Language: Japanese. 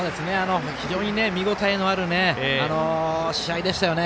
非常に見応えのある試合でしたよね。